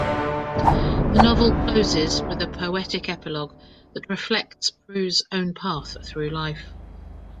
The novel closes with a poetic epilogue that reflects Prus' own path through life.